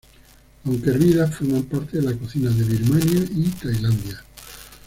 Aunque hervidas forman parte de la cocina de Birmania y Tailandia.